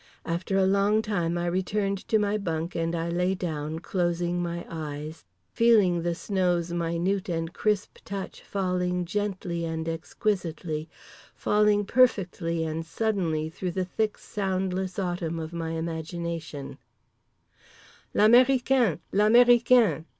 After a long time I returned to my bunk and I lay down, closing my eyes; feeling the snow's minute and crisp touch falling gently and exquisitely, falling perfectly and suddenly, through the thick soundless autumn of my imagination…. "_L'américain! L'américain!